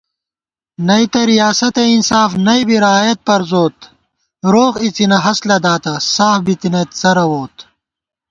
نئ تہ ریاسَتہ انصاف نئ بی رایَت پروزوت * روغ اِڅِنہ ہست لداتہ ساف بِتَنَئیت څرَووت